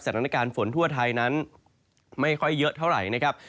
สถานการณ์ฝนทั่วไทยนั้นไม่ค่อยเยอะเท่าไหร่นะครับ